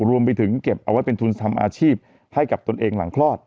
รวมไปถึงเก็บเอาไว้เป็นทุนทำอาชีพให้กับตนเองหลังคลอด